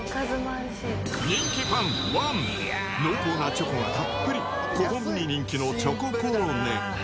人気パン１、濃厚なチョコがたっぷり、子どもに人気のチョココロネ。